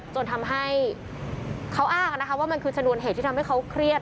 จนทำให้เขาอ้างว่ามันคือชนวนเหตุที่ทำให้เขาเครียด